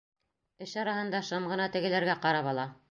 Эш араһында шым ғына те-геләргә ҡарап ала.